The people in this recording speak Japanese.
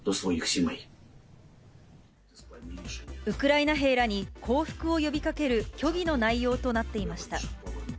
ウクライナ兵らに降伏を呼びかける虚偽の内容となっていました。